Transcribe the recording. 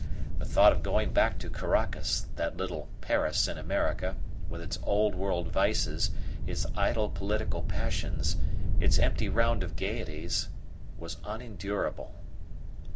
The thought of going back to Caracas, that little Paris in America, with its Old World vices, its idle political passions, its empty round of gaieties, was unendurable.